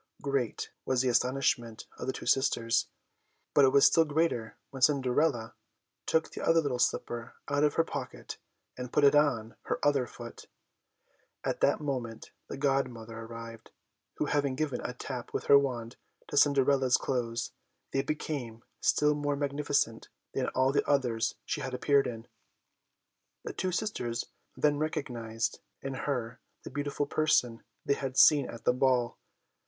Great was the astonishment of the two sisters, but it was still greater when Cinderella took the other little slipper out of her pocket and put it on her other foot. At that moment the godmother arrived, who having given a tap with her wand to Cinderella's clothes, they became still more magnificent than all the others she had appeared in. The two sisters then recognised in her the beautiful person they had seen at the ball.